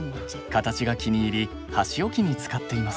形が気に入り箸置きに使っています。